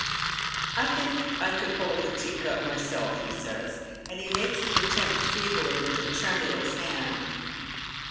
" I think I could hold the teacup myself," he says, and he makes the attempt feebly, with a tremulous hand.